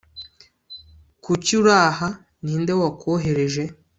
Kuki uri aha Ni nde wakohereje